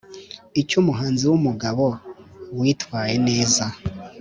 icy’umuhanzi w’umugabo witwaye neza